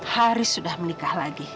haris sudah menikah lagi